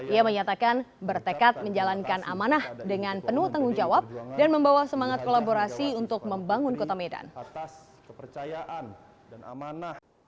ia menyatakan bertekad menjalankan amanah dengan penuh tanggung jawab dan membawa semangat kolaborasi untuk membangun kota medan atas kepercayaan